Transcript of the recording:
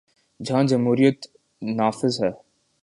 جہاں جمہوریت نافذ ہے۔